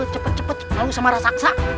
cepet cepet mau sama rasaksa